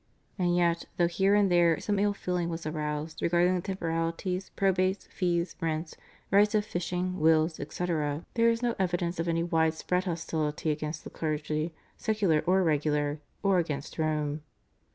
And yet, though here and there some ill feeling was aroused regarding the temporalities, probates, fees, rents, rights of fishing, wills, etc., there is no evidence of any widespread hostility against the clergy, secular or regular, or against Rome.